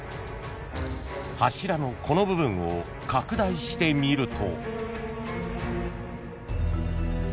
［柱のこの部分を拡大してみると］